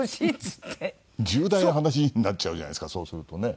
重大な話になっちゃうじゃないですかそうするとね。